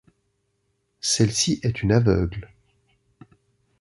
Celle-ci est une aveugle.